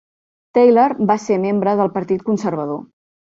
Taylor va ser membre del Partit Conservador.